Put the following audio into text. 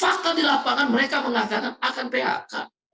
fakta di lapangan mereka mengatakan akan phk